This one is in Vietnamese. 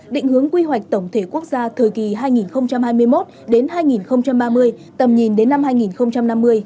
định hướng quy hoạch tổng thể quốc gia thời kỳ hai nghìn hai mươi một đến hai nghìn ba mươi tầm nhìn đến năm hai nghìn năm mươi